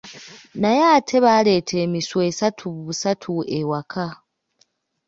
Naye ate baaleeta emisu esatu busatu ewaka.